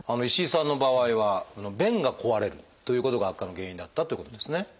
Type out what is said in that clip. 石井さんの場合は弁が壊れるということが悪化の原因だったってことですね。